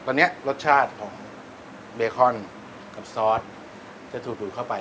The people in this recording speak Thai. ตอนนี้รสชาติของเบคอนกับซอสจะถูกดูดเข้าไป